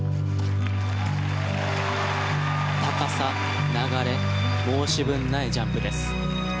高さ、流れ申し分ないジャンプです。